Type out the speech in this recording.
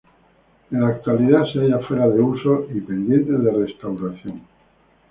En la actualidad se halla fuera de uso y pendiente de restauración.